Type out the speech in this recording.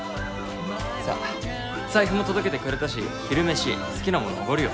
さっ財布も届けてくれたし昼飯好きなものおごるよ。